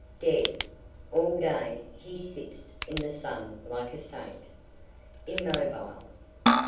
Dead. All day he sits in the sun like a saint, immobile.